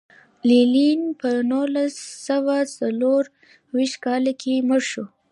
لینین په نولس سوه څلور ویشت کال کې مړ شو.